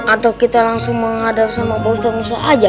atau kita langsung menghadap sama bawis tamusa aja